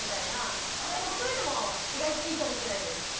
なんかそういうのも意外といいかもしれないです。